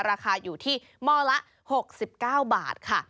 ราคาอยู่ที่หม้อละ๖๙บาทค่ะ